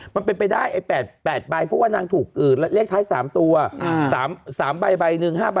มันเป็นไปได้ไอ้๘ใบเพราะว่านางถูกเลขท้าย๓ตัว๓ใบหนึ่ง๕ใบ